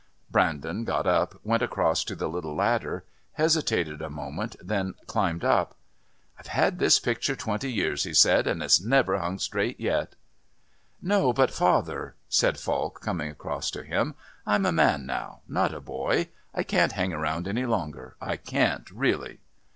Brandon got up, went across to the little ladder, hesitated a moment, then climbed up. "I've had this picture twenty years," he said, "and it's never hung straight yet." "No, but, father," said Falk, coming across to him, "I'm a man now, not a boy. I can't hang about any longer I can't really."